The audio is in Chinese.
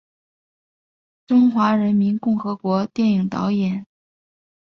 中华人民共和国电影导演。